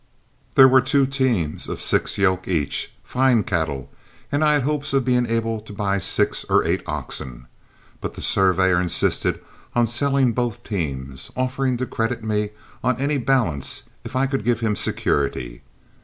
There were two teams of six yoke each, fine cattle, and I had hopes of being able to buy six or eight oxen. But the surveyor insisted on selling both teams, offering to credit me on any balance if I could give him security.